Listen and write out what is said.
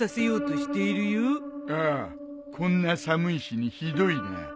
ああこんな寒い日にひどいな。